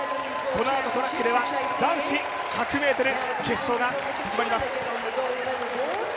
このあとトラックでは男子１００ｍ決勝が始まります。